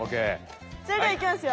それではいきますよ。